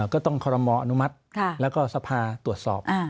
ก็ต้องคอรมออนุมัติแล้วก็สภาตรวจสอบ